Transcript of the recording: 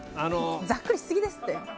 ざっくりしすぎですって。